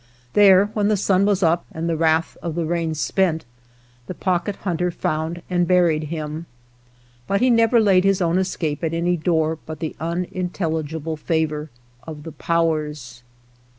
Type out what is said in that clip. There, when the sun was up and the wrath of the rain spent, the Pocket Hunter found and buried him; but he never laid his own escape at any door but the unintelligible favor of the Powers.